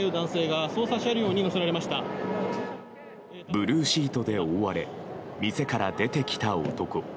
ブルーシートで覆われ店から出てきた男。